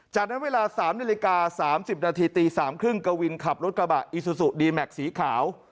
จากนั้นเวลาสามนาฬิกาสามสิบนาทีตีสามครึ่งกะวินขับรถกระบะอีซูซูดีแม็กซ์สีขาว